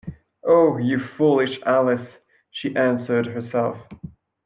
‘Oh, you foolish Alice!’ she answered herself.